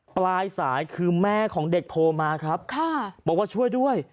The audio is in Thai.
ปลายสายคือแม่ของเด็กโทรมาครับบอกว่าช่วยด้วย